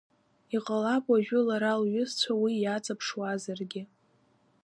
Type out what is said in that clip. Иҟалап уажәы лара лҩызцәа уи иаҵаԥшуазаргьы.